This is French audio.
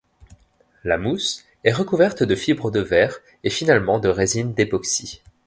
La mousse est recouverte de fibres de verre et finalement de résine d’époxy.